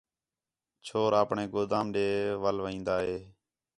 چھور آپݨے گودام ݙے وَل وین٘دا ہِے